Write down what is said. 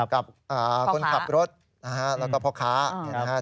กับคนขับรถแล้วก็พ่อค้า